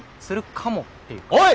するかもっていうか。